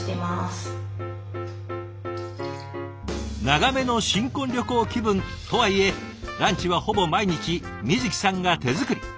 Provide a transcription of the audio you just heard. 長めの新婚旅行気分とはいえランチはほぼ毎日美都紀さんが手作り。